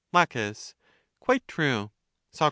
La, Quite true. Soc.